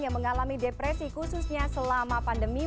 yang mengalami depresi khususnya selama pandemi